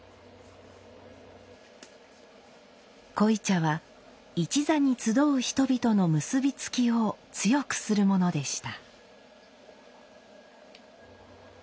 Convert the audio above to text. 濃茶は一座に集う人々の結び付きを強くするものでした。